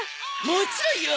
もちろんよ！